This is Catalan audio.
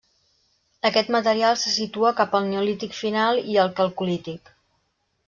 Aquest material se situa cap al Neolític Final i el Calcolític.